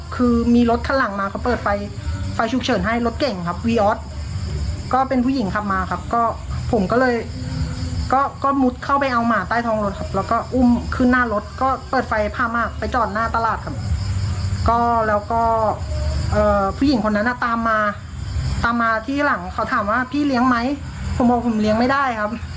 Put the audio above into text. เขาถามว่าพี่เลี้ยงไหมผมบอกผมเลี้ยงไม่ได้ครับ